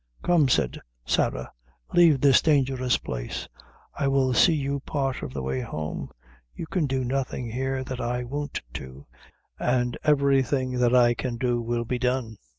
"Come," said Sarah, "leave this dangerous place; I will see you part of the way home you can do nothing here that I won't do, and everything that I can do will be done."